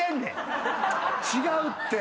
違うって。